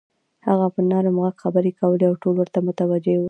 هغه په نرم غږ خبرې کولې او ټول ورته متوجه وو.